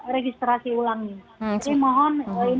registrasi ulang ini